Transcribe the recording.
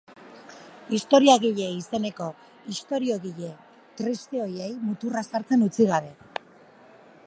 Historiagile izeneko "ixtoriogile" triste horiei muturra sartzen utzi gabe.